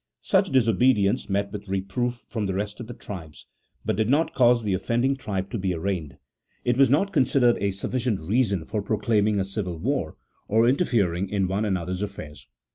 Such disobedience met with reproof from the rest of the tribes, but did not cause the offending tribe to be arraigned : it was not considered a sufficient reason for proclaiming a civil war, or interfering in one another's affairs.